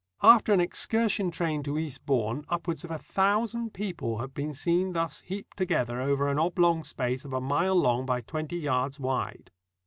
After an excursion train to Eastbourne, upwards of a thousand people have been seen thus heaped together over an oblong space of a mile long by twenty yards wide.